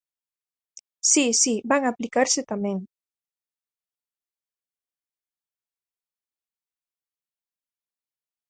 Si, si, van aplicarse tamén.